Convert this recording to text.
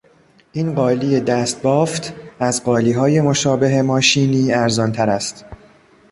این قالی دستبافت از قالیهای مشابه ماشینی ارزانتر است.